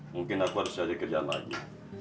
mungkin aku harus cari kerjaan mak aji